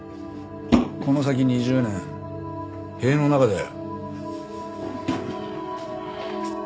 この先２０年塀の中だよ。